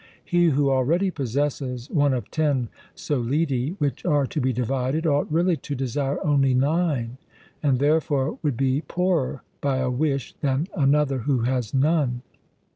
He who already possesses one of ten solidi which are to be divided, ought really to desire only nine, and therefore would be poorer by a wish than another who has none.